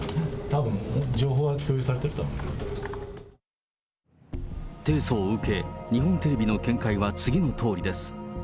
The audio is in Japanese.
たぶん、情報は共有されてい提訴を受け、日本テレビのは次のとおりです。